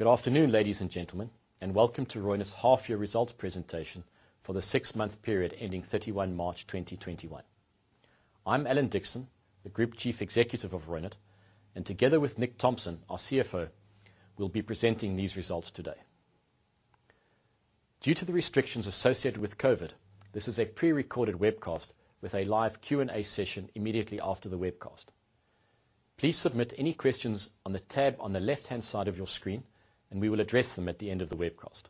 Good afternoon, ladies and gentlemen, and welcome to Reunert's half-year results presentation for the six-month period ending 31 March 2021. I'm Alan Dickson, the Group Chief Executive of Reunert, and together with Nick Thomson, our CFO, we'll be presenting these results today. Due to the restrictions associated with COVID, this is a pre-recorded webcast with a live Q&A session immediately after the webcast. Please submit any questions on the tab on the left-hand side of your screen, and we will address them at the end of the webcast.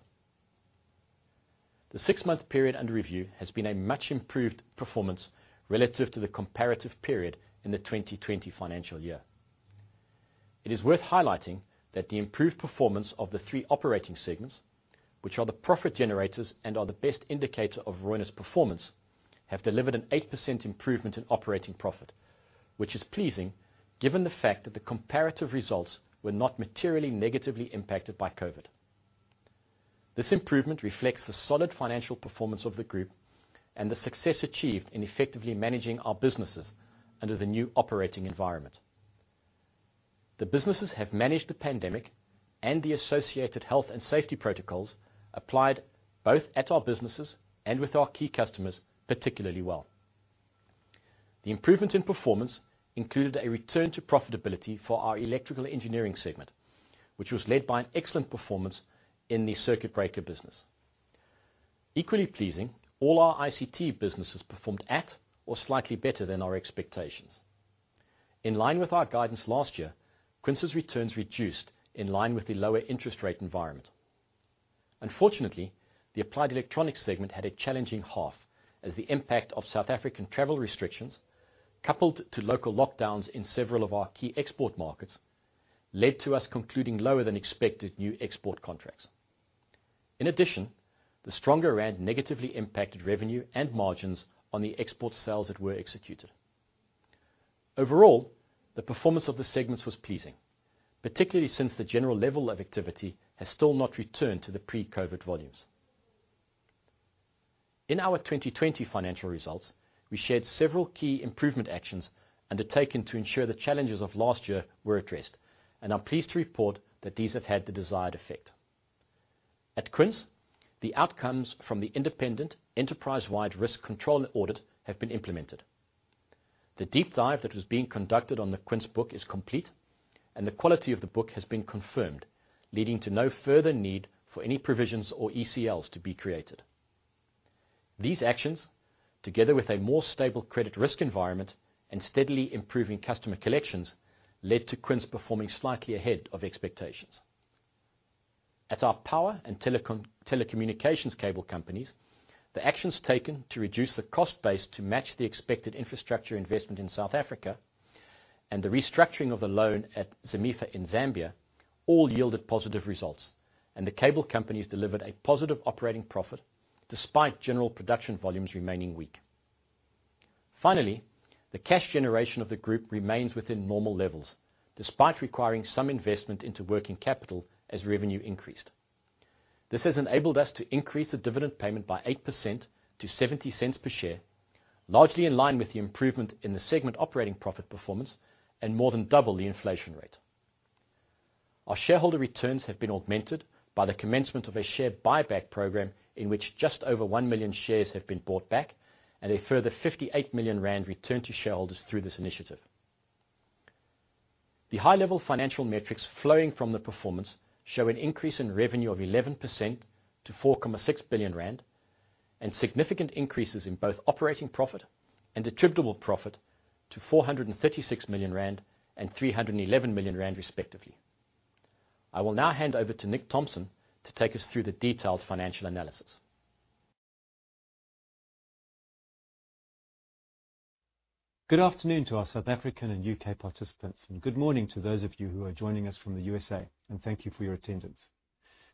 The six-month period under review has been a much improved performance relative to the comparative period in the 2020 financial year. It is worth highlighting that the improved performance of the three operating segments, which are the profit generators and are the best indicator of Reunert's performance, have delivered an 8% improvement in operating profit, which is pleasing given the fact that the comparative results were not materially negatively impacted by COVID. This improvement reflects the solid financial performance of the group and the success achieved in effectively managing our businesses under the new operating environment. The businesses have managed the pandemic and the associated health and safety protocols applied both at our businesses and with our key customers particularly well. The improvements in performance included a return to profitability for our electrical engineering segment, which was led by an excellent performance in the circuit breaker business. Equally pleasing, all our ICT businesses performed at or slightly better than our expectations. In line with our guidance last year, Quince's returns reduced in line with the lower interest rate environment. Unfortunately, the Applied Electronics segment had a challenging half, as the impact of South African travel restrictions, coupled to local lockdowns in several of our key export markets, led to us concluding lower than expected new export contracts. In addition, the stronger rand negatively impacted revenue and margins on the export sales that were executed. Overall, the performance of the segments was pleasing, particularly since the general level of activity has still not returned to the pre-COVID volumes. In our 2020 financial results, we shared several key improvement actions undertaken to ensure the challenges of last year were addressed and are pleased to report that these have had the desired effect. At Quince, the outcomes from the independent enterprise-wide risk control audit have been implemented. The deep dive that was being conducted on the Quince book is complete, and the quality of the book has been confirmed, leading to no further need for any provisions or ECLs to be created. These actions, together with a more stable credit risk environment and steadily improving customer collections, led to Quince performing slightly ahead of expectations. At our power and telecommunications cable companies, the actions taken to reduce the cost base to match the expected infrastructure investment in South Africa and the restructuring of the loan at Zamefa in Zambia all yielded positive results, and the cable companies delivered a positive operating profit despite general production volumes remaining weak. Finally, the cash generation of the group remains within normal levels despite requiring some investment into working capital as revenue increased. This has enabled us to increase the dividend payment by 8% to 0.70 per share, largely in line with the improvement in the segment operating profit performance and more than double the inflation rate. Our shareholder returns have been augmented by the commencement of a share buyback program in which just over 1 million shares have been bought back and a further 58 million rand returned to shareholders through this initiative. The high-level financial metrics flowing from the performance show an increase in revenue of 11% to 4.6 billion rand and significant increases in both operating profit and attributable profit to 456 million rand and 311 million rand respectively. I will now hand over to Nick Thomson to take us through the detailed financial analysis. Good afternoon to our South African and U.K. participants and good morning to those of you who are joining us from the U.S.A. Thank you for your attendance.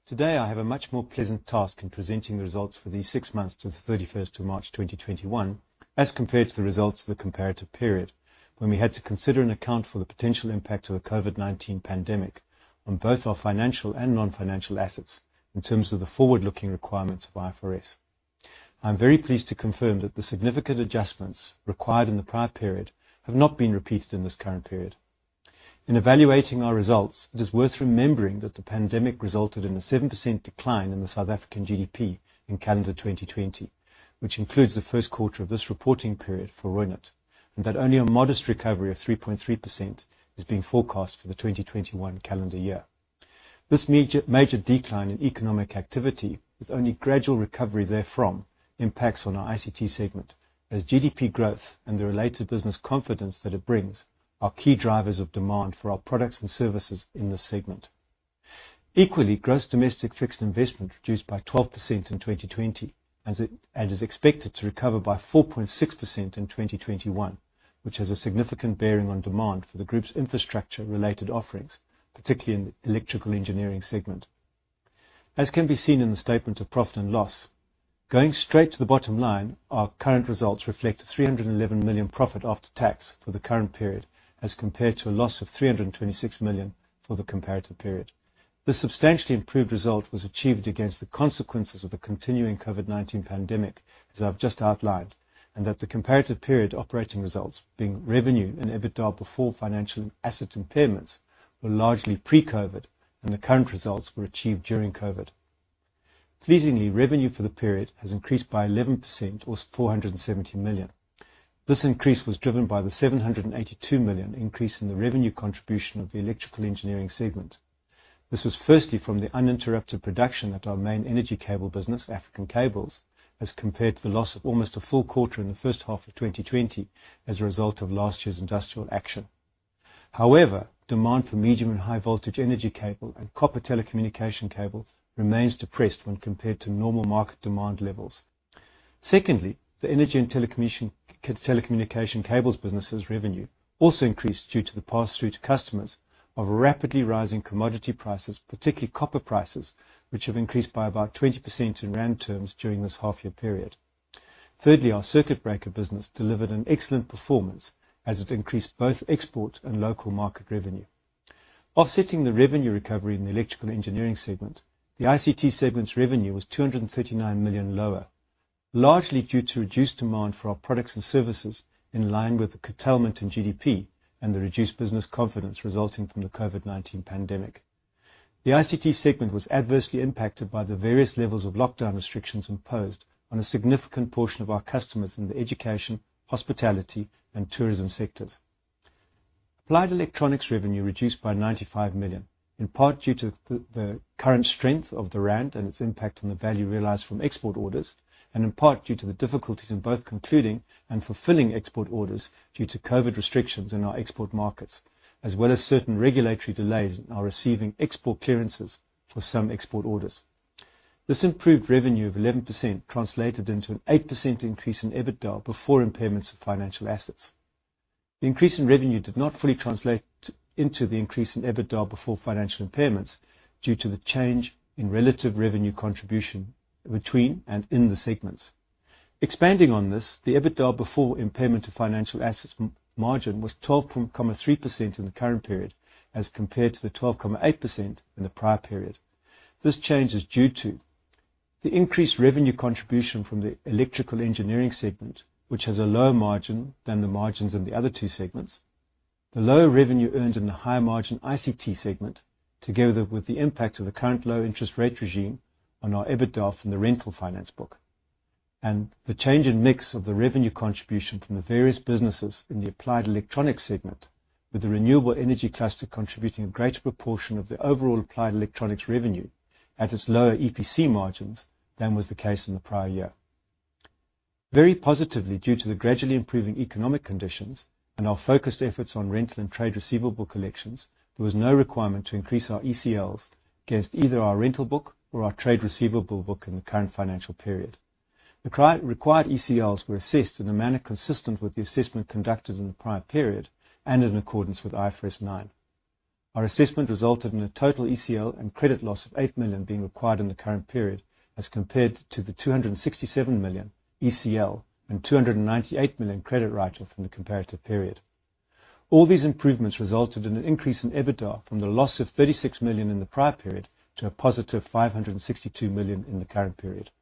Today, I have a much more pleasant task in presenting the results for these six months to the 31st of March 2021 as compared to the results of the comparative period when we had to consider and account for the potential impact of the COVID-19 pandemic on both our financial and non-financial assets in terms of the forward-looking requirements of IFRS. I am very pleased to confirm that the significant adjustments required in the prior period have not been repeated in this current period. In evaluating our results, it is worth remembering that the pandemic resulted in a 7% decline in the South African GDP in calendar 2020, which includes the first quarter of this reporting period for Reunert, and that only a modest recovery of 3.3% is being forecast for the 2021 calendar year. This major decline in economic activity, with only gradual recovery therefrom, impacts on our ICT segment as GDP growth and the related business confidence that it brings are key drivers of demand for our products and services in this segment. Equally, gross domestic fixed investment reduced by 12% in 2020 and is expected to recover by 4.6% in 2021, which has a significant bearing on demand for the group's infrastructure-related offerings, particularly in the Electrical Engineering Segment. As can be seen in the statement of profit and loss, going straight to the bottom line, our current results reflect 311 million profit after tax for the current period as compared to a loss of 326 million for the comparative period. This substantially improved result was achieved against the consequences of the continuing COVID-19 pandemic, as I've just outlined, and that the comparative period operating results being revenue and EBITDA before financial asset impairments were largely pre-COVID and the current results were achieved during COVID. Pleasingly, revenue for the period has increased by 11%, or 470 million. This increase was driven by the 782 million increase in the revenue contribution of the Electrical Engineering segment. This was firstly from the uninterrupted production at our main energy cable business, African Cables, as compared to the loss of almost a full quarter in the first half of 2020 as a result of last year's industrial action. However, demand for medium and high voltage energy cable and copper telecommunication cable remains depressed when compared to normal market demand levels. Secondly, the energy and telecommunication cables business' revenue also increased due to the pass-through to customers of rapidly rising commodity prices, particularly copper prices, which have increased by about 20% in rand terms during this half year period. Thirdly, our circuit breaker business delivered an excellent performance as it increased both export and local market revenue. Offsetting the revenue recovery in the Electrical Engineering Segment, the ICT Segment's revenue was 239 million lower, largely due to reduced demand for our products and services in line with the curtailment in GDP and the reduced business confidence resulting from the COVID-19 pandemic. The ICT Segment was adversely impacted by the various levels of lockdown restrictions imposed on a significant portion of our customers in the education, hospitality, and tourism sectors. Applied Electronics revenue reduced by 95 million, in part due to the current strength of the rand and its impact on the value realized from export orders, and in part due to the difficulties in both concluding and fulfilling export orders due to COVID restrictions in our export markets, as well as certain regulatory delays in our receiving export clearances for some export orders. This improved revenue of 11% translated into an 8% increase in EBITDA before impairments of financial assets. The increase in revenue did not fully translate into the increase in EBITDA before financial impairments due to the change in relative revenue contribution between and in the segments. Expanding on this, the EBITDA before impairment to financial assets margin was 12.3% in the current period as compared to the 12.8% in the prior period. This change is due to the increased revenue contribution from the Electrical Engineering segment, which has a lower margin than the margins in the other two segments. The lower revenue earned in the higher margin ICT segment, together with the impact of the current low interest rate regime on our EBITDA from the rental finance book, and the change in mix of the revenue contribution from the various businesses in the Applied Electronic segment with the renewable energy cluster contributing a greater proportion of the overall applied electronics revenue at its lower EPC margins than was the case in the prior year. Very positively due to the gradually improving economic conditions and our focused efforts on rental and trade receivable collections, there was no requirement to increase our ECLs against either our rental book or our trade receivable book in the current financial period. The required ECLs were assessed in a manner consistent with the assessment conducted in the prior period and in accordance with IFRS 9. Our assessment resulted in a total ECL and credit loss of 8 million being required in the current period as compared to the 267 million ECL and 298 million credit write-off in the comparative period. All these improvements resulted in an increase in EBITDA from the loss of 36 million in the prior period to a positive 562 million in the current period.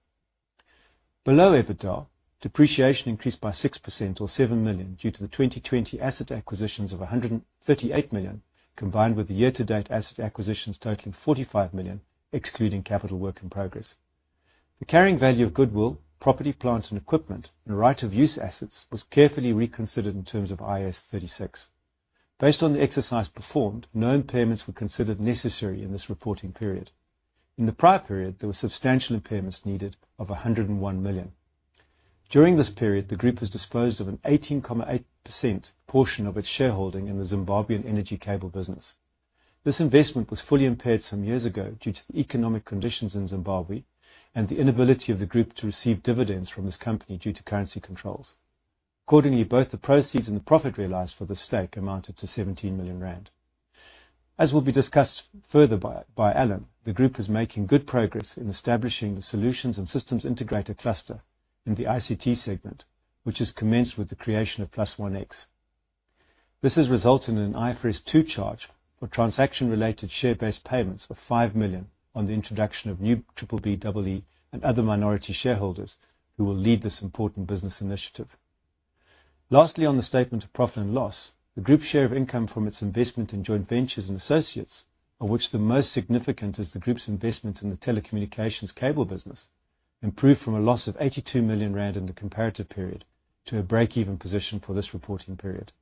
Below EBITDA, depreciation increased by 6% or 7 million due to the 2020 asset acquisitions of 138 million, combined with the year-to-date asset acquisitions totaling 45 million, excluding capital work in progress. The carrying value of goodwill, property, plant, and equipment, and right of use assets was carefully reconsidered in terms of IAS 36. Based on the exercise performed, no impairments were considered necessary in this reporting period. In the prior period, there were substantial impairments needed of 101 million. During this period, the group has disposed of an 18.8% portion of its shareholding in the Zimbabwean energy cable business. This investment was fully impaired some years ago due to the economic conditions in Zimbabwe and the inability of the group to receive dividends from this company due to currency controls. Accordingly, both the proceeds and the profit realized for this stake amounted to 17 million rand. As will be discussed further by Alan, the group is making good progress in establishing the solutions and systems integrator cluster in the ICT segment, which has commenced with the creation of +OneX. This has resulted in an IFRS 2 charge for transaction-related share-based payments of 5 million on the introduction of new BBBEE and other minority shareholders who will lead this important business initiative. Lastly, on the statement of profit and loss, the group's share of income from its investment in joint ventures and associates, of which the most significant is the group's investment in the telecommunications cable business, improved from a loss of 82 million rand in the comparative period to a break-even position for this reporting period.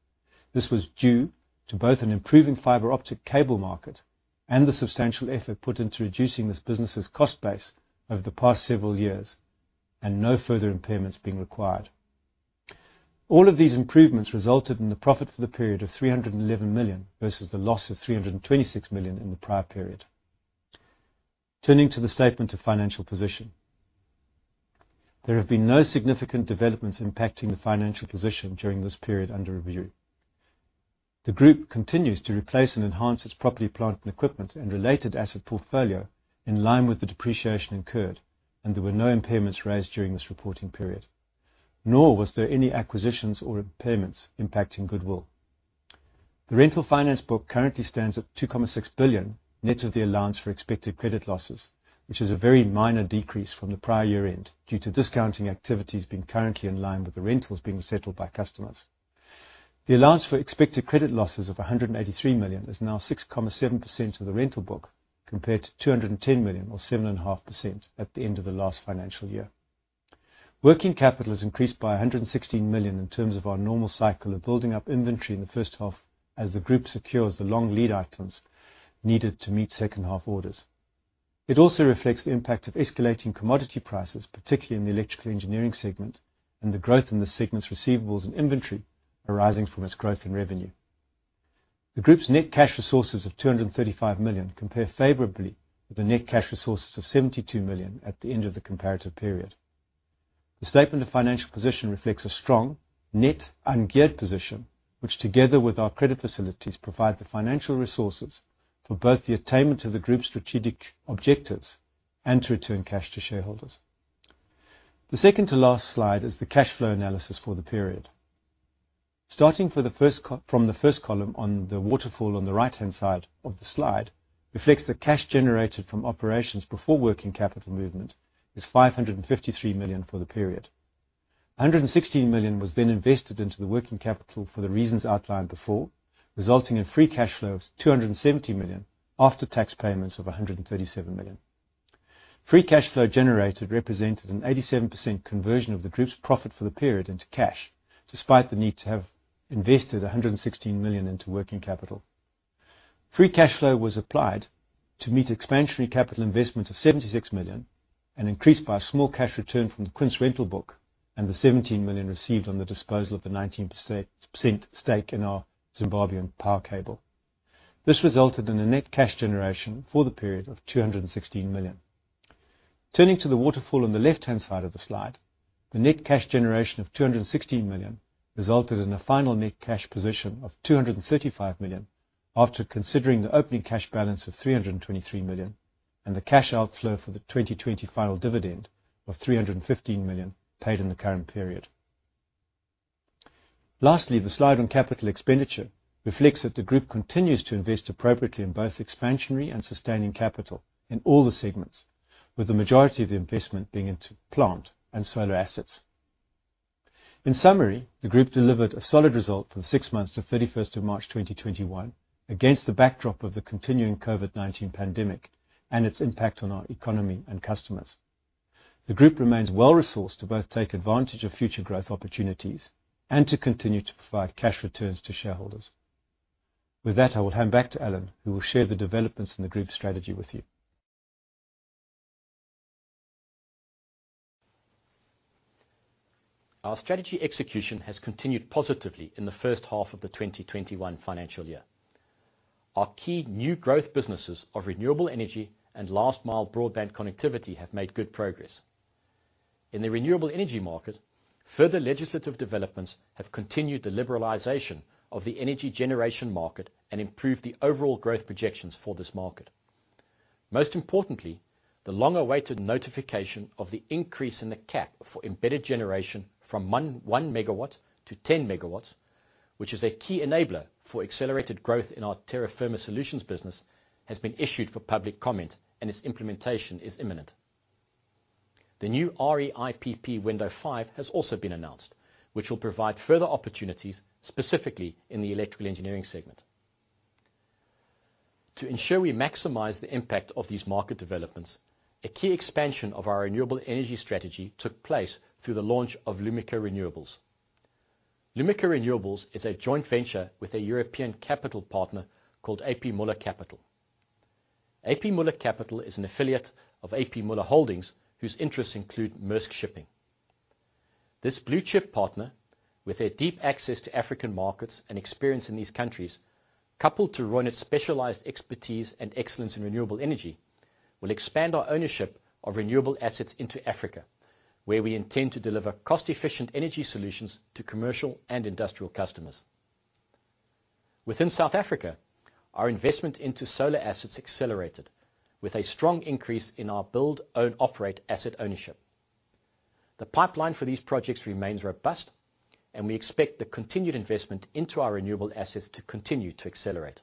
This was due to both an improving fiber optic cable market and the substantial effort put into reducing this business's cost base over the past several years and no further impairments being required. All of these improvements resulted in the profit for the period of 311 million versus the loss of 326 million in the prior period. Turning to the statement of financial position. There have been no significant developments impacting the financial position during this period under review. The group continues to replace and enhance its property, plant, and equipment and related asset portfolio in line with the depreciation incurred, and there were no impairments raised during this reporting period. Nor was there any acquisitions or impairments impacting goodwill. The rental finance book currently stands at 2.6 billion net of the allowance for Expected Credit Losses, which is a very minor decrease from the prior year-end due to discounting activities being currently in line with the rentals being settled by customers. The allowance for Expected Credit Losses of 183 million is now 6.7% of the rental book, compared to 210 million, or 7.5%, at the end of the last financial year. Working capital has increased by 116 million in terms of our normal cycle of building up inventory in the first half as the group secures the long lead items needed to meet second-half orders. It also reflects the impact of escalating commodity prices, particularly in the electrical engineering segment, and the growth in the segment's receivables and inventory arising from its growth in revenue. The group's net cash resources of 235 million compare favorably with the net cash resources of 72 million at the end of the comparative period. The statement of financial position reflects a strong net ungeared position, which, together with our credit facilities, provide the financial resources for both the attainment of the group's strategic objectives and to return cash to shareholders. The second to last slide is the cash flow analysis for the period. Starting from the first column on the waterfall on the right-hand side of the slide reflects that cash generated from operations before working capital movement is 553 million for the period. 116 million was invested into the working capital for the reasons outlined before, resulting in free cash flow of 270 million after tax payments of 137 million. Free cash flow generated represented an 87% conversion of the group's profit for the period into cash, despite the need to have invested 116 million into working capital. Free cash flow was applied to meet expansionary capital investment of 76 million and increased by a small cash return from the Quince rental book and the 17 million received on the disposal of the 19% stake in our Zimbabwean power cable. This resulted in a net cash generation for the period of 216 million. Turning to the waterfall on the left-hand side of the slide, the net cash generation of 216 million resulted in a final net cash position of 235 million after considering the opening cash balance of 323 million and the cash outflow for the 2020 final dividend of 315 million paid in the current period. Lastly, the slide on capital expenditure reflects that the group continues to invest appropriately in both expansionary and sustaining capital in all the segments, with the majority of the investment being into plant and solar assets. In summary, the group delivered a solid result for the six months to 31st of March 2021 against the backdrop of the continuing COVID-19 pandemic and its impact on our economy and customers. The group remains well-resourced to both take advantage of future growth opportunities and to continue to provide cash returns to shareholders. With that, I will hand back to Alan, who will share the developments in the group strategy with you. Our strategy execution has continued positively in the first half of the 2021 financial year. Our key new growth businesses of renewable energy and last-mile broadband connectivity have made good progress. In the renewable energy market, further legislative developments have continued the liberalization of the energy generation market and improved the overall growth projections for this market. Most importantly, the long-awaited notification of the increase in the cap for embedded generation from 1 MW-10 MW, which is a key enabler for accelerated growth in our Terra Firma Solutions business, has been issued for public comment, and its implementation is imminent. The new REIPP Window 5 has also been announced, which will provide further opportunities, specifically in the electrical engineering segment. To ensure we maximize the impact of these market developments, a key expansion of our renewable energy strategy took place through the launch of Lumika Renewables. Lumika Renewables is a joint venture with a European capital partner called A.P. Moller Capital. A.P. Moller Capital is an affiliate of A.P. Moller Holding, whose interests include Maersk shipping. This blue-chip partner, with their deep access to African markets and experience in these countries, coupled to Reunert's specialized expertise and excellence in renewable energy, will expand our ownership of renewable assets into Africa, where we intend to deliver cost-efficient energy solutions to commercial and industrial customers. Within South Africa, our investment into solar assets accelerated with a strong increase in our Build-Own-Operate asset ownership. The pipeline for these projects remains robust, and we expect the continued investment into our renewable assets to continue to accelerate.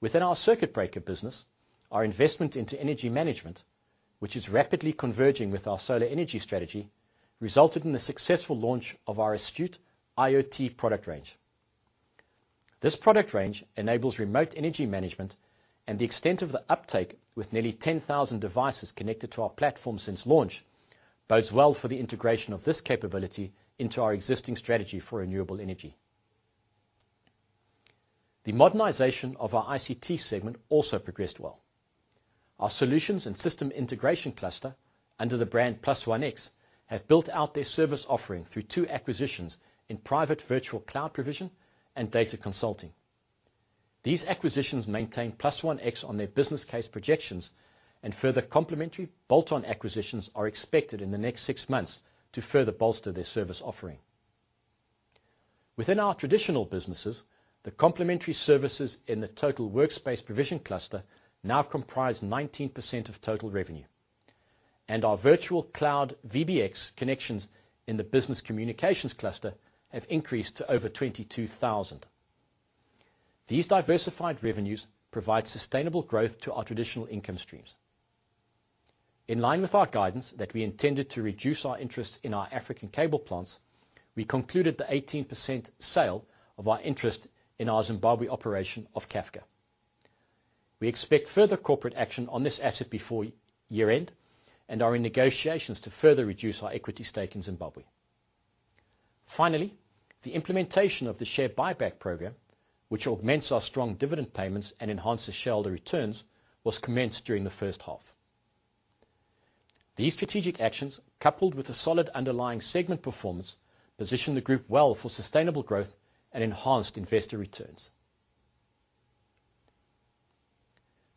Within our circuit breaker business, our investment into energy management, which is rapidly converging with our solar energy strategy, resulted in the successful launch of our Astute IoT product range. This product range enables remote energy management and the extent of the uptake, with nearly 10,000 devices connected to our platform since launch, bodes well for the integration of this capability into our existing strategy for renewable energy. The modernization of our ICT segment also progressed well. Our solutions and system integration cluster, under the brand +OneX, have built out their service offering through two acquisitions in private virtual cloud provision and data consulting. These acquisitions maintain +OneX on their business case projections, and further complementary bolt-on acquisitions are expected in the next six months to further bolster their service offering. Within our traditional businesses, the complementary services in the total workspace provision cluster now comprise 19% of total revenue, and our virtual cloud VBX connections in the business communications cluster have increased to over 22,000. These diversified revenues provide sustainable growth to our traditional income streams. In line with our guidance that we intended to reduce our interest in our African cable plants, we concluded the 18% sale of our interest in our Zimbabwe operation of CAFCA. We expect further corporate action on this asset before year-end, and are in negotiations to further reduce our equity stake in Zimbabwe. Finally, the implementation of the share buyback program, which augments our strong dividend payments and enhances shareholder returns, was commenced during the first half. These strategic actions, coupled with the solid underlying segment performance, position the group well for sustainable growth and enhanced investor returns.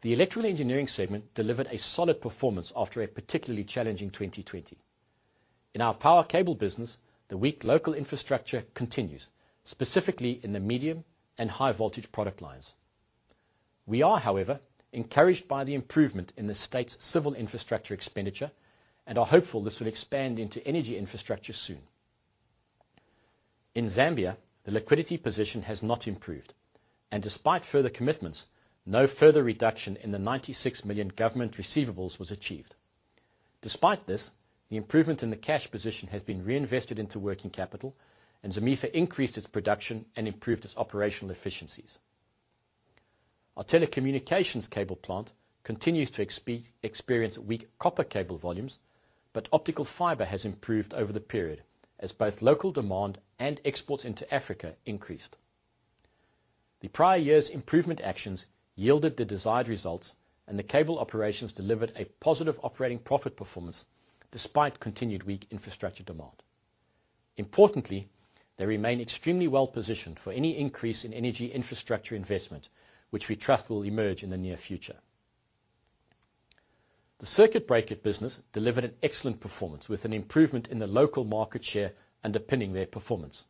The Electrical Engineering segment delivered a solid performance after a particularly challenging 2020. In our power cable business, the weak local infrastructure continues, specifically in the medium and high voltage product lines. We are, however, encouraged by the improvement in the state's civil infrastructure expenditure and are hopeful this will expand into energy infrastructure soon. In Zambia, the liquidity position has not improved, and despite further commitments, no further reduction in the ZMW 96 million government receivables was achieved. Despite this, the improvement in the cash position has been reinvested into working capital, and ZAMEFA increased its production and improved its operational efficiencies. Our telecommunications cable plant continues to experience weak copper cable volumes, but optical fiber has improved over the period as both local demand and exports into Africa increased. The prior year's improvement actions yielded the desired results, and the cable operations delivered a positive operating profit performance despite continued weak infrastructure demand. Importantly, they remain extremely well-positioned for any increase in energy infrastructure investment, which we trust will emerge in the near future. The circuit breaker business delivered an excellent performance with an improvement in the local market share underpinning their performance.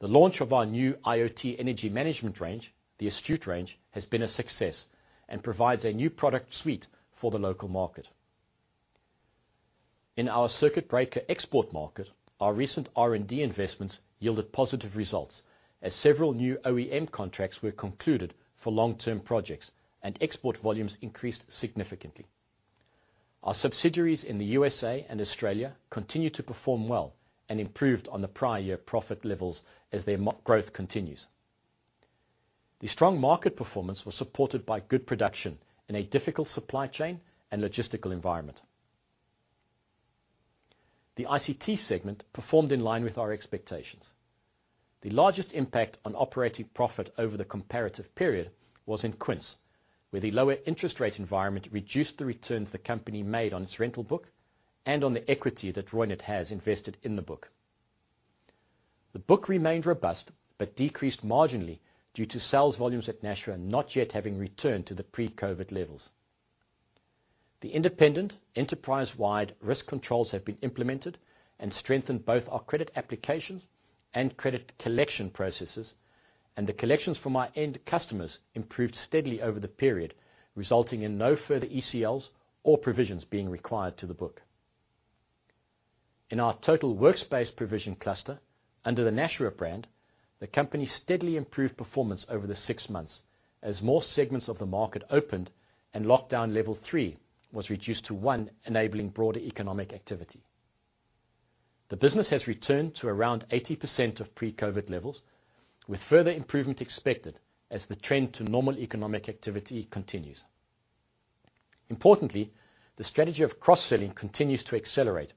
The launch of our new IoT energy management range, the Astute range, has been a success and provides a new product suite for the local market. In our circuit breaker export market, our recent R&D investments yielded positive results as several new OEM contracts were concluded for long-term projects and export volumes increased significantly. Our subsidiaries in the U.S.A. and Australia continue to perform well and improved on the prior year profit levels as their growth continues. The strong market performance was supported by good production in a difficult supply chain and logistical environment. The ICT segment performed in line with our expectations. The largest impact on operating profit over the comparative period was in Quince, where the lower interest rate environment reduced the returns the company made on its rental book and on the equity that Reunert has invested in the book. The book remained robust but decreased marginally due to sales volumes at Nashua not yet having returned to the pre-COVID levels. The independent enterprise-wide risk controls have been implemented and strengthened both our credit applications and credit collection processes, and the collections from our end customers improved steadily over the period, resulting in no further ECLs or provisions being required to the book. In our total workspace provision cluster under the Nashua brand, the company steadily improved performance over the six months as more segments of the market opened and lockdown level three was reduced to one, enabling broader economic activity. The business has returned to around 80% of pre-COVID levels, with further improvement expected as the trend to normal economic activity continues. Importantly, the strategy of cross-selling continues to accelerate,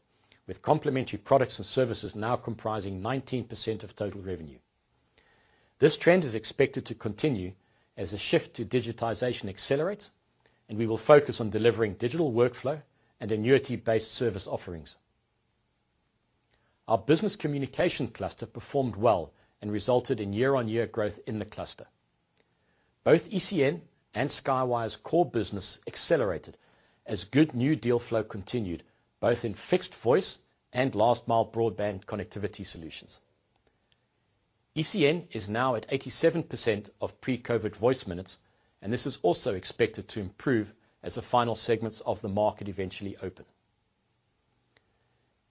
with complementary products and services now comprising 19% of total revenue. This trend is expected to continue as the shift to digitization accelerates, and we will focus on delivering digital workflow and annuity-based service offerings. Our business communication cluster performed well and resulted in year-on-year growth in the cluster. Both ECN and SkyWire core business accelerated as good new deal flow continued both in fixed voice and last mile broadband connectivity solutions. ECN is now at 87% of pre-COVID voice minutes, and this is also expected to improve as the final segments of the market eventually open.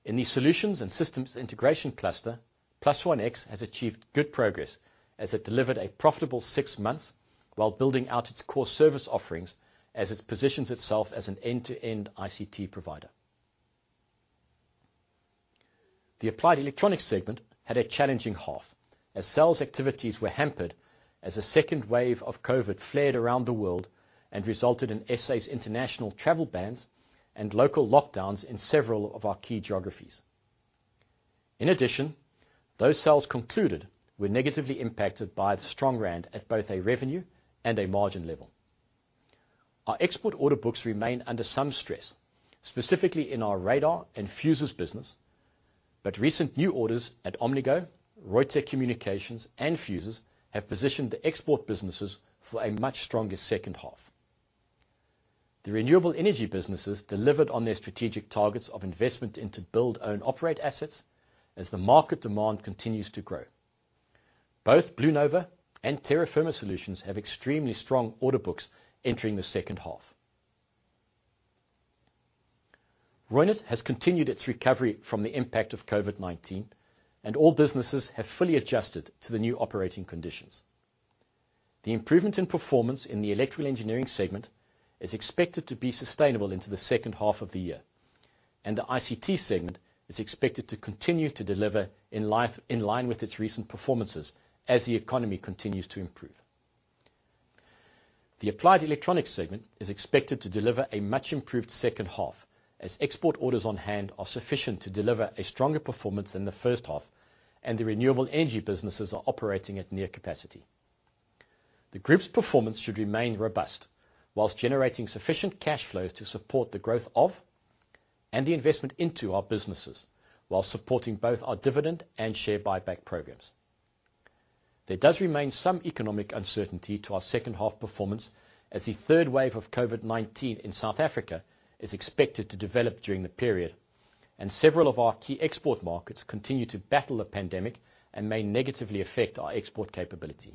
In the solutions and systems integration cluster, +OneX has achieved good progress as it delivered a profitable six months while building out its core service offerings as it positions itself as an end-to-end ICT provider. The Applied Electronics segment had a challenging half as sales activities were hampered as the second wave of COVID-19 flared around the world and resulted in S.A.'s international travel bans and local lockdowns in several of our key geographies. In addition, those sales concluded were negatively impacted by the strong rand at both a revenue and a margin level. Our export order books remain under some stress, specifically in our radar and Fuchs Electronics business, but recent new orders at Omnigo, Reutech Communications, and Fuchs Electronics have positioned the export businesses for a much stronger second half. The renewable energy businesses delivered on their strategic targets of investment into Build-Own-Operate assets as the market demand continues to grow. Both BlueNova and Terra Firma Solutions have extremely strong order books entering the second half. Reunert has continued its recovery from the impact of COVID-19, and all businesses have fully adjusted to the new operating conditions. The improvement in performance in the Electrical Engineering segment is expected to be sustainable into the second half of the year. The ICT segment is expected to continue to deliver in line with its recent performances as the economy continues to improve. The Applied Electronics segment is expected to deliver a much improved second half as export orders on hand are sufficient to deliver a stronger performance than the first half, and the renewable energy businesses are operating at near capacity. The group's performance should remain robust whilst generating sufficient cash flows to support the growth of and the investment into our businesses, while supporting both our dividend and share buyback programs. There does remain some economic uncertainty to our second half performance as the third wave of COVID-19 in South Africa is expected to develop during the period, and several of our key export markets continue to battle the pandemic and may negatively affect our export capability.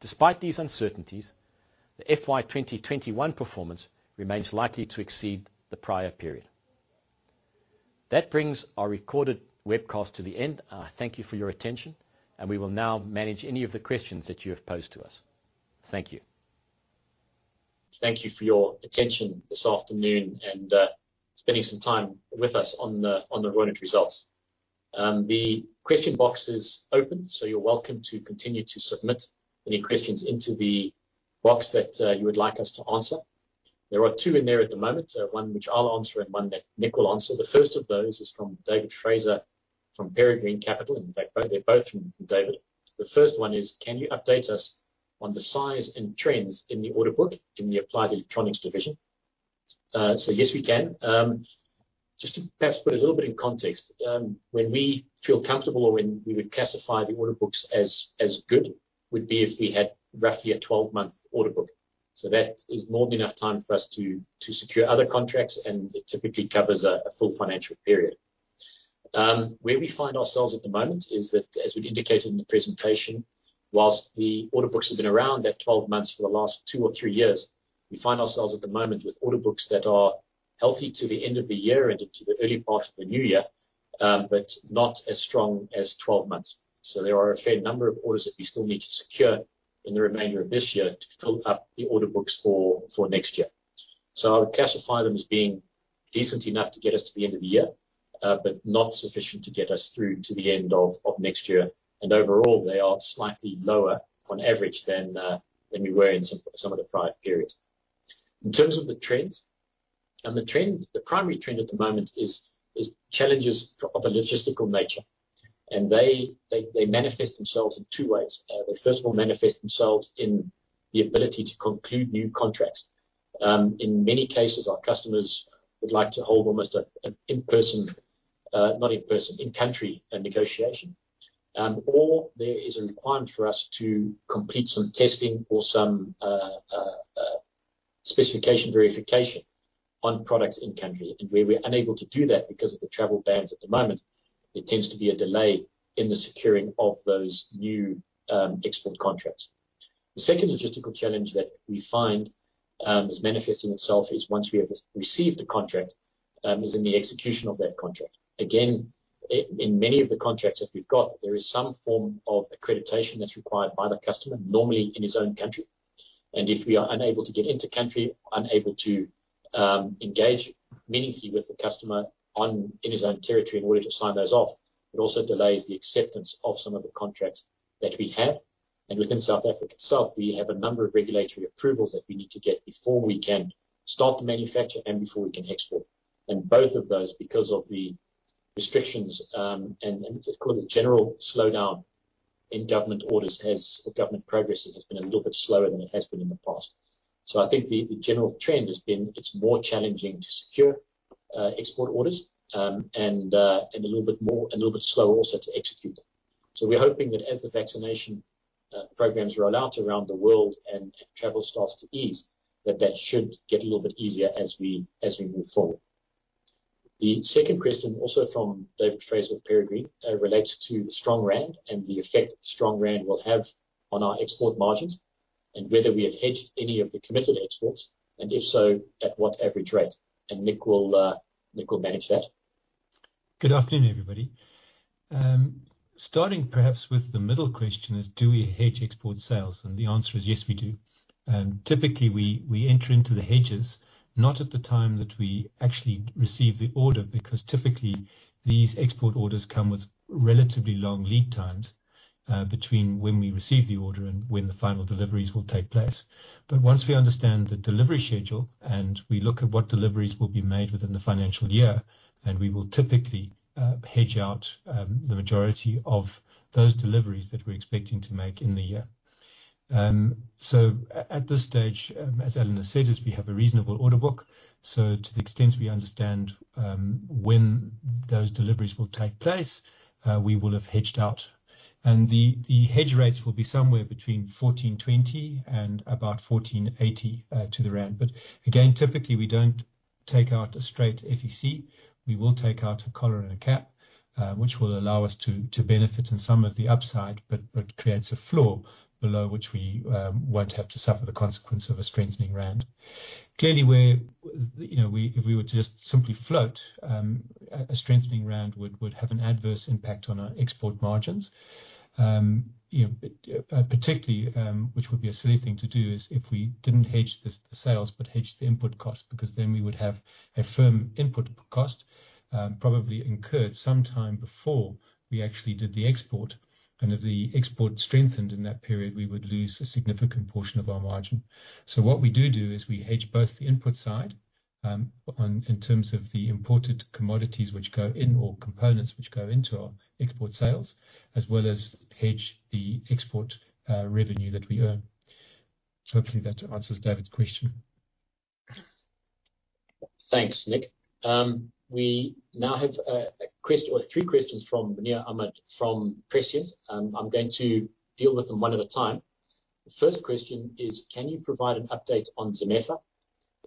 Despite these uncertainties, the FY 2021 performance remains likely to exceed the prior period. That brings our recorded webcast to the end. I thank you for your attention, and we will now manage any of the questions that you have posed to us. Thank you. Thank you for your attention this afternoon and spending some time with us on the Reunert results. The question box is open, so you're welcome to continue to submit any questions into the box that you would like us to answer. There are two in there at the moment, one which I'll answer and one that Nick Thomson will answer. The first of those is from David Fraser from Peregrine Capital. In fact, they're both from David. The first one is: Can you update us on the size and trends in the order book in the Applied Electronics Division? Yes, we can. Just to perhaps put a little bit in context, when we feel comfortable or when we would classify the order books as good, would be if we had roughly a 12-month order book. That is more than enough time for us to secure other contracts, and it typically covers a full financial period. Where we find ourselves at the moment is that, as we indicated in the presentation, whilst the order books have been around at 12 months for the last two or three years, we find ourselves at the moment with order books that are healthy to the end of the year and into the early part of the new year, but not as strong as 12 months. There are a fair number of orders that we still need to secure in the remainder of this year to fill up the order books for next year. Our [inaudible] is being descent enough to get as to the end of the year but not sufficient to get us through to the end of next year. Overall, they are slightly lower on average than we were in some of the prior periods. In terms of the trends, the primary trend at the moment is challenges of a logistical nature. They manifest themselves in two ways. They first will manifest themselves in the ability to conclude new contracts. In many cases, our customers would like to hold almost an in-country negotiation. There is a requirement for us to complete some testing or some specification verification on products in country. Where we are unable to do that because of the travel bans at the moment, there tends to be a delay in the securing of those new export contracts. The second logistical challenge that we find is manifesting itself is once we have received the contract, is in the execution of that contract. Again, in many of the contracts that we've got, there is some form of accreditation that's required by the customer, normally in his own country. If we are unable to get into country, unable to engage meaningfully with the customer in his own territory in order to sign those off, it also delays the acceptance of some of the contracts that we have. Within South Africa itself, we have a number of regulatory approvals that we need to get before we can start the manufacture and before we can export. Both of those, because of the restrictions, and I think as a result of general slowdown in government orders as the government progress has been a little bit slower than it has been in the past. I think the general trend has been it's more challenging to secure export orders, and a little bit slower also to execute them. We're hoping that as the vaccination programs roll out around the world and travel starts to ease, that that should get a little bit easier as we move forward. The second question, also from David Fraser of Peregrine, relates to the strong rand and the effect the strong rand will have on our export margins, and whether we have hedged any of the committed exports, and if so, at what average rate? Nick will manage that. Good afternoon, everybody. Starting perhaps with the middle question is do we hedge export sales? The answer is yes, we do. Typically, we enter into the hedges, not at the time that we actually receive the order, because typically these export orders come with relatively long lead times between when we receive the order and when the final deliveries will take place. Once we understand the delivery schedule and we look at what deliveries will be made within the financial year, then we will typically hedge out the majority of those deliveries that we're expecting to make in the year. At this stage, as Alan has said, is we have a reasonable order book. To the extent we understand when those deliveries will take place, we will have hedged out. The hedge rates will be somewhere between 14.20 and about 14.80 to the rand. Again, typically, we don't take out a straight FEC. We will take out a collar and a cap, which will allow us to benefit in some of the upside, but creates a floor below which we won't have to suffer the consequence of a strengthening rand. Clearly, if we were to just simply float, a strengthening rand would have an adverse impact on our export margins. Particularly, which would be a silly thing to do, is if we didn't hedge the sales but hedged the input cost, because then we would have a firm input cost probably incurred some time before we actually did the export. If the export strengthened in that period, we would lose a significant portion of our margin. What we do do is we hedge both the input side in terms of the imported commodities which go in or components which go into our export sales, as well as hedge the export revenue that we earn. Hopefully that answers David's question. Thanks, Nick. We now have a few questions from Muneer Ahmed from Prescient. I'm going to deal with them one at a time. The first question is, can you provide an update on Zamefa?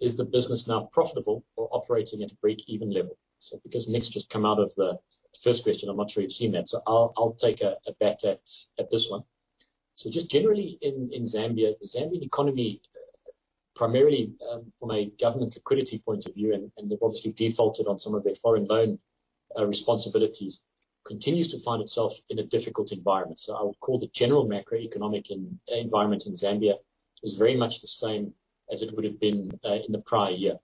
Is the business now profitable or operating at a breakeven level? Because Nick's just come out of the first question, I'm not sure you've seen it. I'll take a bat at this one. Just generally in Zambia, the Zambian economy, primarily from a government liquidity point of view, and they've obviously defaulted on some of their foreign loan responsibilities, continues to find itself in a difficult environment. I would call the general macroeconomic environment in Zambia is very much the same as it would have been in the prior year.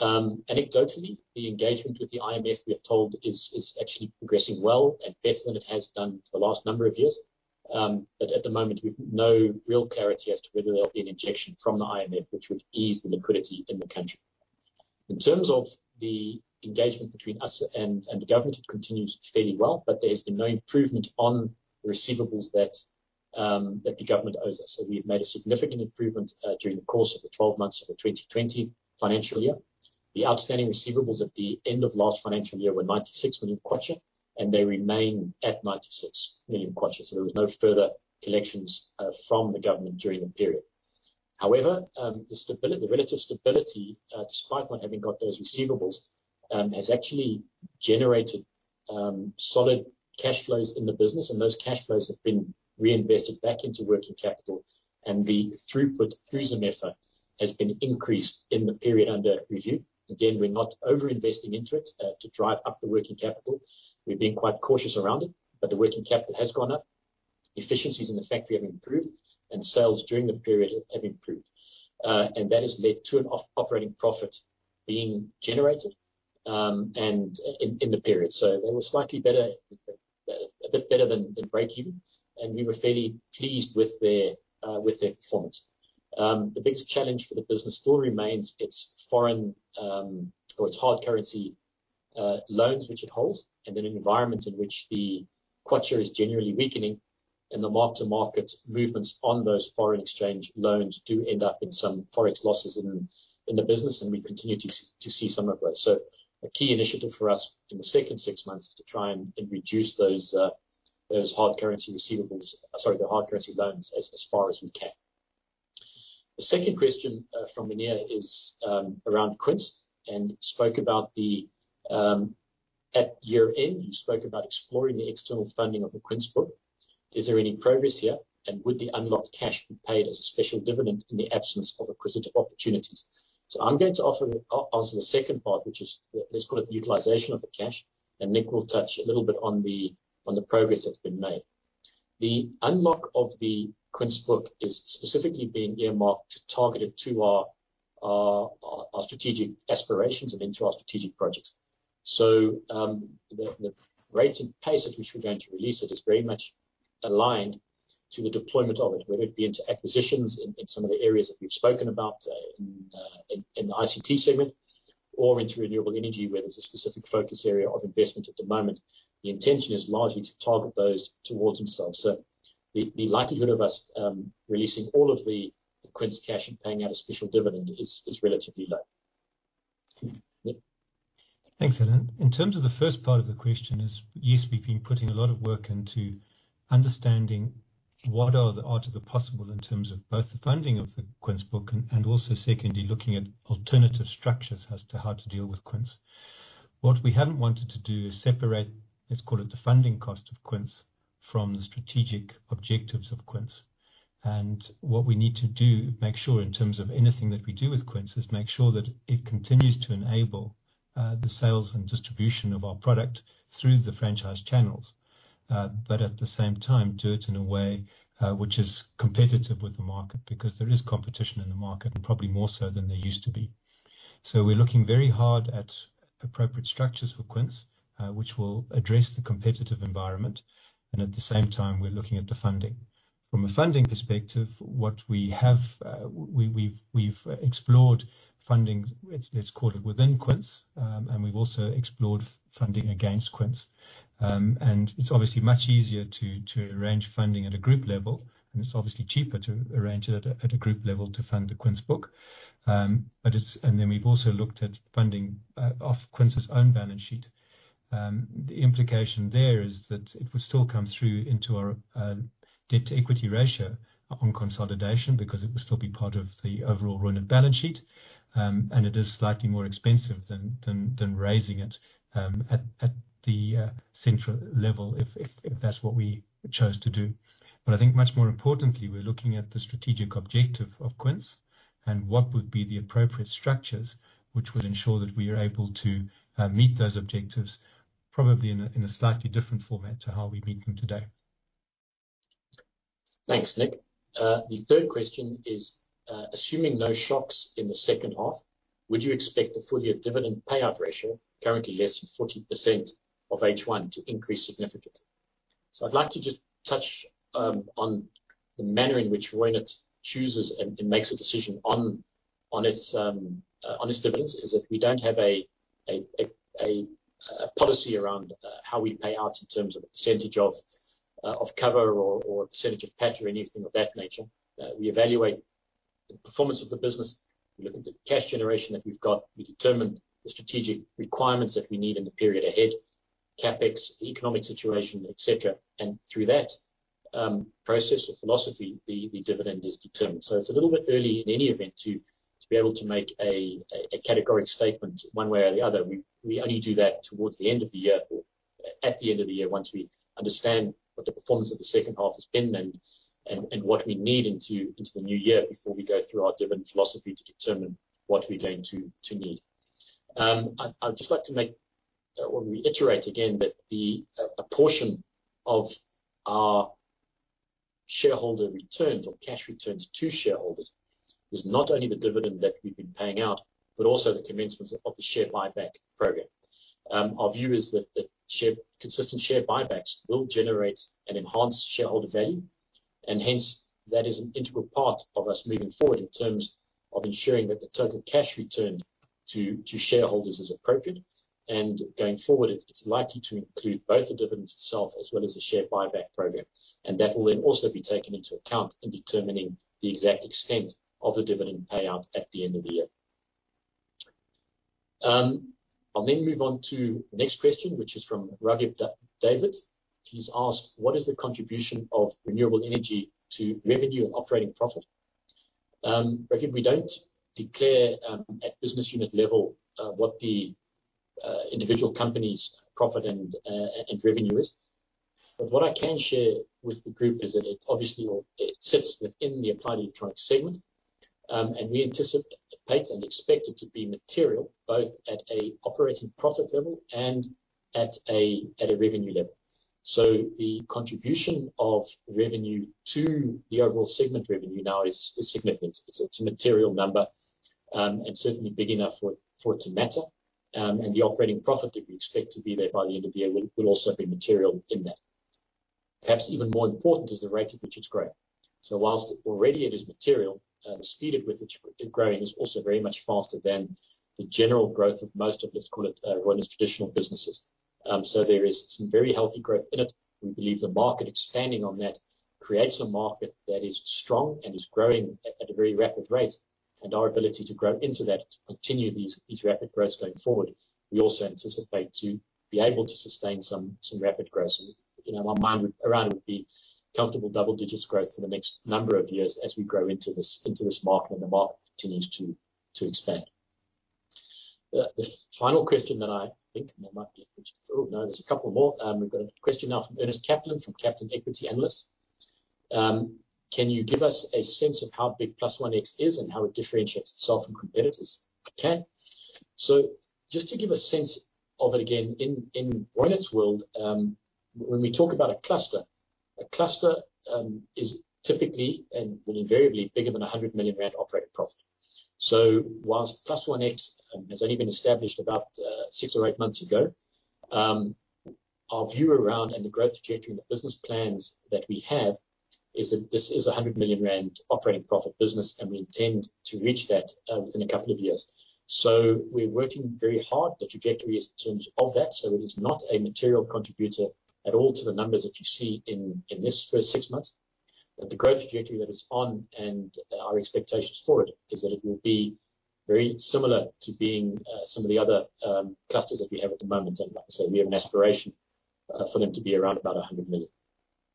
Anecdotally, the engagement with the IMF, we are told, is actually progressing well and better than it has done for the last number of years. At the moment, we have no real clarity as to whether there will be an injection from the IMF, which would ease the liquidity in the country. In terms of the engagement between us and the government continues fairly well, but there's been no improvement on receivables that the government owes us. We've made a significant improvement during the course of the 12 months of the 2020 financial year. The outstanding receivables at the end of last financial year were ZMW 96 million, and they remain at ZMW 96 million. There was no further collections from the government during the period. However, the relative stability, despite not having got those receivables, has actually generated solid cash flows in the business, and those cash flows have been reinvested back into working capital, and the throughput through Zamefa has been increased in the period under review. Again, we're not over-investing into it to drive up the working capital. We're being quite cautious around it, but the working capital has gone up. Efficiencies in the factory have improved, and sales during the period have improved. That has led to an operating profit being generated in the period. They were a bit better than breakeven, and we were fairly pleased with their performance. The biggest challenge for the business still remains its foreign or its hard currency loans which it holds, and an environment in which the kwacha is generally weakening, and the mark-to-market movements on those foreign exchange loans do end up in some forex losses in the business, and we continue to see some of those. A key initiative for us in the second six months is to try and reduce those hard currency loans as far as we can. The second question from Muneer is around Quince and at year-end, you spoke about exploring the external funding of the Quince book. Is there any progress here? Would the unlocked cash be paid a special dividend in the absence of acquisitive opportunities? I'm going to answer the second part, which is let's call it the utilization of the cash, and Nick will touch a little bit on the progress that's been made. The unlock of the Quince book is specifically being earmarked targeted to our strategic aspirations and into our strategic projects. The rate and pace at which we're going to release it is very much aligned to the deployment of it, whether it be into acquisitions in some of the areas that we've spoken about in the ICT segment or into renewable energy, where there's a specific focus area of investment at the moment. The intention is largely to target those towards themselves. The likelihood of us releasing all of the Quince cash and paying out a special dividend is relatively low. Nick. Thanks, Alan. In terms of the first part of the question is, yes, we've been putting a lot of work into understanding what are the possible in terms of both the funding of the Quince book and also secondly, looking at alternative structures as to how to deal with Quince. What we haven't wanted to do is separate, let's call it the funding cost of Quince from the strategic objectives of Quince. What we need to do, make sure in terms of anything that we do with Quince, is make sure that it continues to enable the sales and distribution of our product through the franchise channels. At the same time, do it in a way which is competitive with the market, because there is competition in the market, and probably more so than there used to be. We're looking very hard at appropriate structures for Quince, which will address the competitive environment. At the same time, we're looking at the funding. From a funding perspective, we've explored funding, let's call it within Quince, and we've also explored funding against Quince. It's obviously much easier to arrange funding at a group level, and it's obviously cheaper to arrange it at a group level to fund the Quince book. Then we've also looked at funding off Quince's own balance sheet. The implication there is that it will still come through into our debt-to-equity ratio on consolidation because it will still be part of the overall Reunert balance sheet, and it is slightly more expensive than raising it at the central level, if that's what we chose to do. I think much more importantly, we're looking at the strategic objective of Quince and what would be the appropriate structures which would ensure that we are able to meet those objectives. Probably in a slightly different format to how we meet them today. Thanks, Nick. The third question is, assuming no shocks in the second half, would you expect the full-year dividend payout ratio, currently less than 40% of H1, to increase significantly? I'd like to just touch on the manner in which Reunert chooses and makes a decision on its dividends is that we don't have a policy around how we pay out in terms of percentage of cover or percentage of PAT or anything of that nature. We evaluate the performance of the business. We look at the cash generation that we've got. We determine the strategic requirements that we need in the period ahead, CapEx, economic situation, et cetera. Through that process or philosophy, the dividend is determined. It's a little bit early in any event to be able to make a categoric statement one way or the other. We only do that towards the end of the year or at the end of the year once we understand what the performance of the second half has been and what we need into the new year before we go through our dividend philosophy to determine what we're going to need. I'd just like to reiterate again that the portion of our shareholder returns or cash returns to shareholders is not only the dividend that we've been paying out, but also the commencement of the share buyback program. Our view is that consistent share buybacks will generate an enhanced shareholder value, and hence that is an integral part of us moving forward in terms of ensuring that the total cash return to shareholders is appropriate. Going forward, it's likely to include both the dividend itself as well as the share buyback program. That will then also be taken into account in determining the exact extent of the dividend payout at the end of the year. I'll then move on to the next question, which is from Ravid Davids. He's asked, what is the contribution of renewable energy to revenue and operating profit? Ravid, we don't declare at business unit level what the individual company's profit and revenue is. What I can share with the group is that it obviously sits within the Applied Electronics segment, and we anticipate and expect it to be material both at an operating profit level and at a revenue level. The contribution of revenue to the overall segment revenue now is significant. It's a material number, certainly big enough for it to matter. The operating profit that we expect to be there by end of year will also be material in that. Perhaps even more important is the rate at which it's growing. Whilst already it is material, the speed at which it's growing is also very much faster than the general growth of most of its Reunert traditional businesses. There is some very healthy growth in it. We believe the market expanding on that creates a market that is strong and is growing at a very rapid rate. Our ability to grow into that to continue these rapid growths going forward, we also anticipate to be able to sustain some rapid growth. In our mind, around would be comfortable double digits growth for the next number of years as we grow into this market and the market continues to expand. The final question that I think. Oh, no, there's a couple more. We've got a question now from Irnest Kaplan from Kaplan Equity Analysts. Can you give us a sense of how big +OneX is and how it differentiates itself from competitors? Okay. Just to give a sense of, again, in Reunert's world, when we talk about a cluster, a cluster is typically and invariably bigger than 100 million rand operating profit. Whilst +OneX has only been established about six or eight months ago, our view around and the growth trajectory and the business plans that we have is that this is a 100 million rand operating profit business, and we intend to reach that within a couple of years. We're working very hard. The trajectory in terms of that, so it is not a material contributor at all to the numbers that you see in this first six months. The growth trajectory that is on and our expectations for it is that it will be very similar to being some of the other clusters that we have at the moment. We have an aspiration for them to be around about 100 million.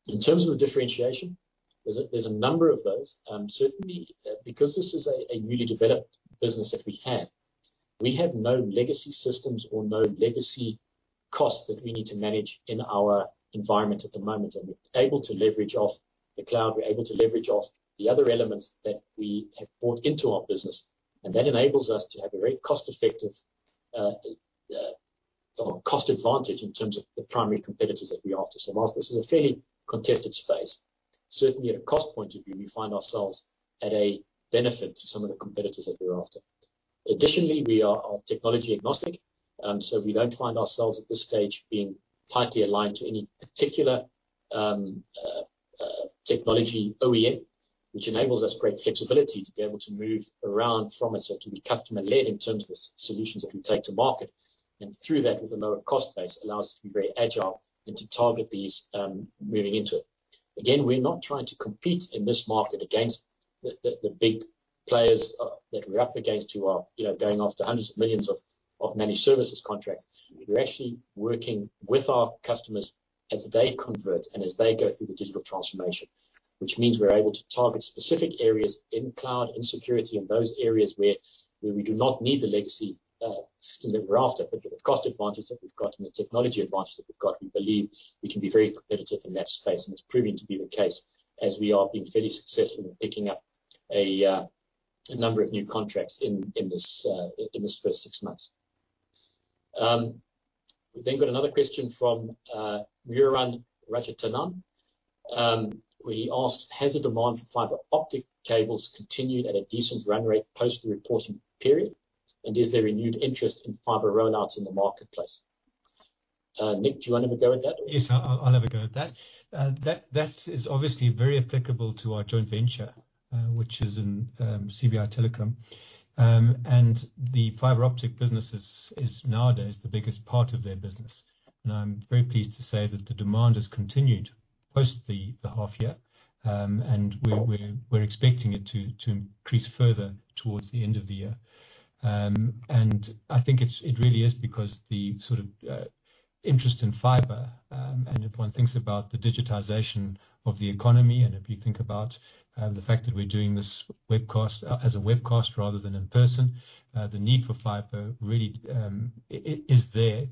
In terms of the differentiation, there's a number of those. Certainly, because this is a newly developed business that we have, we have no legacy systems or no legacy costs that we need to manage in our environment at the moment, and we're able to leverage off the cloud, we're able to leverage off the other elements that we have brought into our business, and that enables us to have a very cost advantage in terms of the primary competitors that we're after. Whilst this is a fairly contested space, certainly at cost point of view, we find ourselves at a benefit to some of the competitors that we're after. Additionally, we are technology agnostic, so we don't find ourselves at this stage being tightly aligned to any particular technology OEM, which enables us great flexibility to be able to move around from it. It can be customer-led in terms of the solutions that we take to market. Through that, with a lower cost base, allows us to be very agile and to target these moving into it. We're not trying to compete in this market against the big players that we're up against who are going after hundreds of millions of managed services contracts. We're actually working with our customers as they convert and as they go through the digital transformation, which means we're able to target specific areas in cloud and security and those areas where we do not need the legacy that we're after. With the cost advantage that we've got and the technology advantage that we've got, we believe we can be very competitive in that space. It's proving to be the case as we are being very successful in picking up a number of new contracts in this first six months. We've got another question from Myuran Rajaratnam, where he asked, has the demand for fiber optic cables continued at a decent run rate post the reporting period, and is there a renewed interest in fiber rollouts in the marketplace? Nick, do you want to have a go at that? Yes, I'll have a go at that. That is obviously very applicable to our joint venture, which is in CBI Telecom. The fiber optic business is nowadays the biggest part of their business. I'm very pleased to say that the demand has continued post the half-year, and we're expecting it to increase further towards the end of the year. I think it really is because the interest in fiber, and if one thinks about the digitization of the economy, and if you think about the fact that we're doing this as a webcast rather than in person, the need for fiber really is there.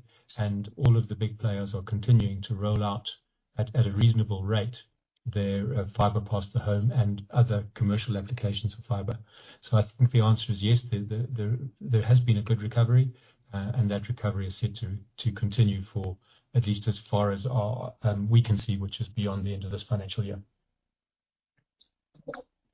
All of the big players are continuing to roll out at a reasonable rate, their fiber past the home and other commercial applications for fiber. I think the answer is yes, there has been a good recovery, and that recovery is set to continue for at least as far as we can see, which is beyond the end of this financial year.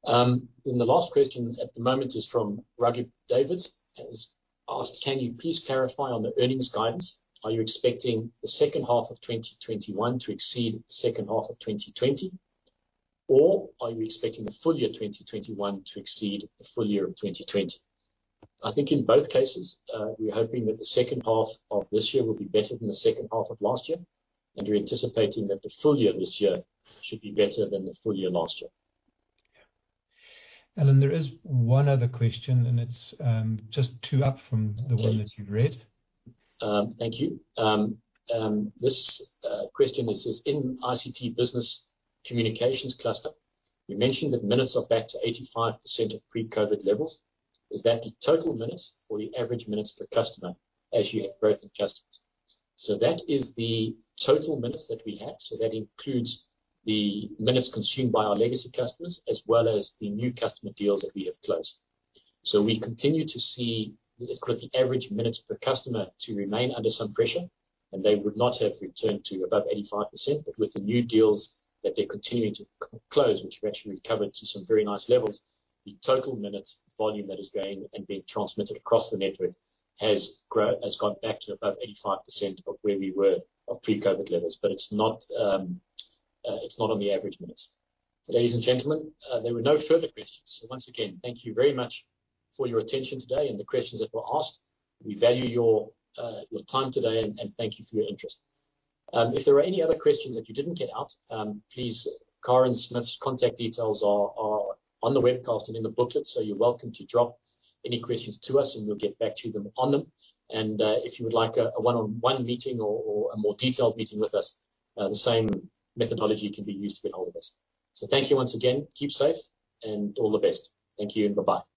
The last question at the moment is from Roger David. Has asked, can you please clarify on the earnings guidance? Are you expecting the second half of 2021 to exceed the second half of 2020 or are you expecting the full year 2021 to exceed the full year of 2020? I think in both cases, we're hoping that the second half of this year will be better than the second half of last year, and we're anticipating that the full year of this year should be better than the full year of last year. There is one other question, and it's just two up from the one that you read. Thank you. This question, it says, in ICT business communications cluster, you mentioned that minutes are back to 85% of pre-COVID levels. Is that the total minutes or your average minutes per customer as you have growth of customers? That is the total minutes that we have. That includes the minutes consumed by our legacy customers, as well as the new customer deals that we have closed. We continue to see the average minutes per customer to remain under some pressure, and they would not have returned to above 85%. With the new deals that they continue to close, which we've actually recovered to some very nice levels, the total minutes volume that is being transmitted across the network has gone back to above 85% of where we were of pre-COVID levels. It's not on the average minutes. Ladies and gentlemen, there were no further questions. Once again, thank you very much for your attention today and the questions that were asked. We value your time today, and thank you for your interest. If there are any other questions that you didn't get out, please, Karen's contact details are on the webcast and in the booklet. You're welcome to drop any questions to us, and we'll get back to you on them. If you would like a one-on-one meeting or a more detailed meeting with us, the same methodology can be used with all of us. Thank you once again. Keep safe, and all the best. Thank you, and bye-bye.